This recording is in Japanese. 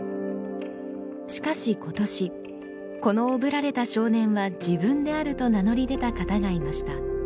しかし今年「このおぶられた少年は自分である」と名乗り出た方がいました。